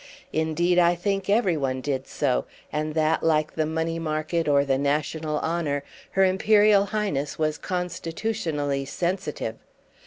Indeed I think every one did so, and that, like the money market or the national honour, her Imperial Highness was constitutionally sensitive.